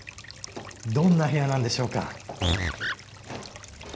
どんな部屋なんでしょうか。